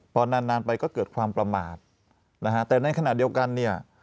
พอนานนานไปก็เกิดความประมาทนะฮะแต่ในขณะเดียวกันเนี่ย